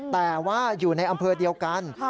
แต่ว่าอยู่ในอำเภอเดียวกัน